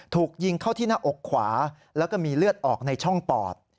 ถูกยิงเข้าที่หน้าอกขวาแล้วก็มีเลือดออกในช่องปอด